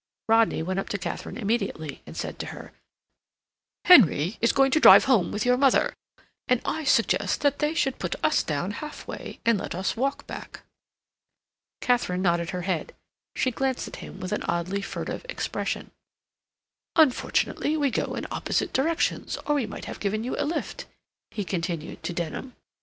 Rodney went up to Katharine immediately and said to her: "Henry is going to drive home with your mother, and I suggest that they should put us down half way and let us walk back." Katharine nodded her head. She glanced at him with an oddly furtive expression. "Unfortunately we go in opposite directions, or we might have given you a lift," he continued to Denham.